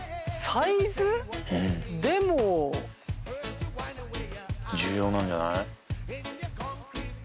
でも重要なんじゃない？